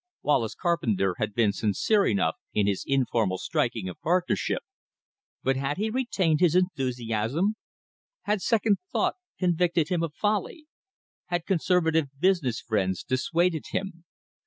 Wallace Carpenter had been sincere enough in his informal striking of partnership, but had he retained his enthusiasm? Had second thought convicted him of folly? Had conservative business friends dissuaded him?